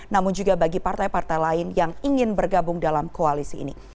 namun juga bagi partai partai lain yang ingin bergabung dalam koalisi ini